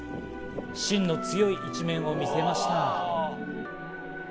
芯の強い一面を見せました。